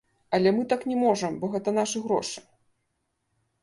Але мы так не можам, бо гэта нашы грошы.